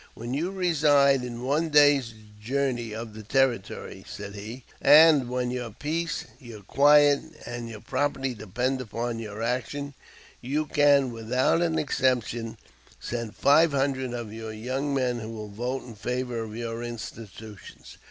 "When you reside in one day's journey of the Territory," said he, "and when your peace, your quiet, and your property depend upon your action, you can without an exertion send five hundred of your young men who will vote in favor of your institutions.